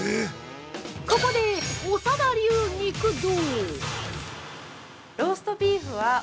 ここで、長田流肉道。